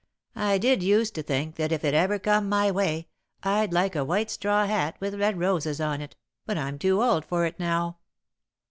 I did used to think that if it ever come my way, I'd like a white straw hat with red roses on it, but I'm too old for it now."